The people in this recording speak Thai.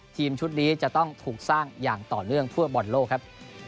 ทีมชุดนี้จะต้องถูกสร้างอย่างต่อเนื่องทั่วบอลโลกครับ